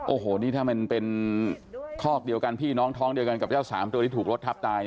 โอ้โหนี่ถ้ามันเป็นคอกเดียวกันพี่น้องท้องเดียวกันกับเจ้าสามตัวที่ถูกรถทับตาย